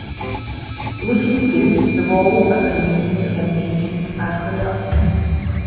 Looking good the walls are the remains of an ancient aqueduct.